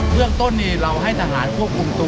เรื่องต้นนี้เราให้ทหารควบคุมตัว